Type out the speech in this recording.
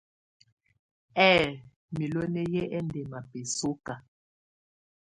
Ɛ̌ɛ miloni yɛ ɛndɛma bɛsɔka.